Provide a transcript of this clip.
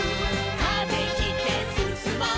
「風切ってすすもう」